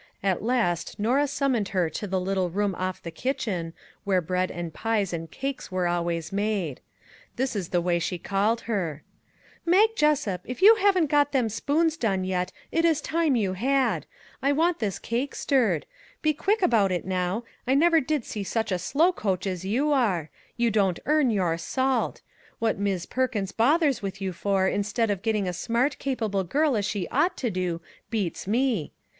At last Norah summoned her to the little room off the kitchen, where bread and pies and cakes were always made. This is the way she called her: 73 MAG AND MARGARET " Mag Jessup, if you haven't got them spoons done yet, it is time you had ! I want this cake stirred. Be quick about it now; I never did see such a slowcoach as you are ! you don't earn your salt. What Mis' Perkins bothers with you for, instead of getting a smart, capable girl as she ought to do, beats me.